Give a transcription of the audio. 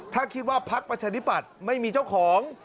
ถ้าคิดว่าพักประชาธิปัตย์ไม่มีเจ้าของ